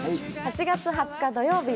８月２０日土曜日